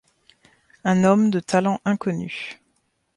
Un homme de talent inconnu…